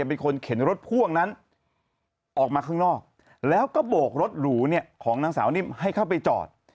เป็นคนเข็นรถพ่วงนั้นออกมาข้างนอกแล้วก็โบกรถหรูของนางสาวนิ่มให้เข้าไปจอด